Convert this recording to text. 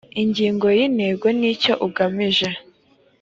ingingo ya intego n icyo ugamije